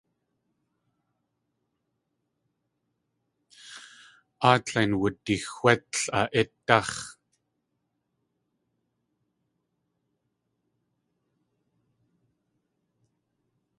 Aatlein wudixwétl a ítdáx̲.